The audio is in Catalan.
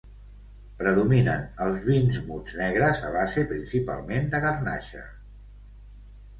Predominen els vins muts negres a base principalment de garnatxa.